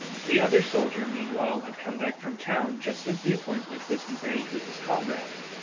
The other soldier meanwhile had come back from the town just as the appointment was made with his comrade.